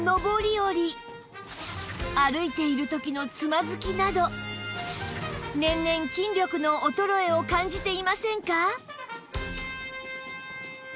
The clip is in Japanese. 下り歩いている時のつまずきなど年々筋力の衰えを感じていませんか？